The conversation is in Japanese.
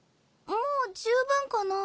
もう十分かな？